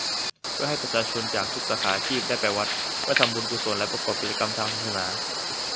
เพื่อให้ประชาชนจากทุกสาขาอาชีพได้ไปวัด เพื่อทำบุญกุศลและประกอบกิจกรรมทางศาสนา